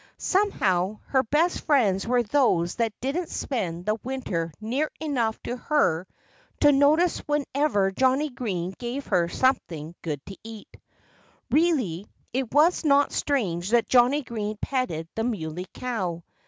Somehow her best friends were those that didn't spend the winter near enough to her to notice whenever Johnnie Green gave her something good to eat. Really it was not strange that Johnnie Green petted the Muley Cow.